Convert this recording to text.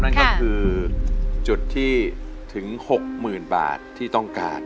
นั่นก็คือจุดที่ถึง๖๐๐๐บาทที่ต้องการ